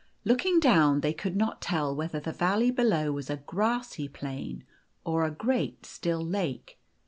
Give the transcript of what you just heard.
Looking down, they could not tell whether the val ley below was a grassy plain or a great still lake.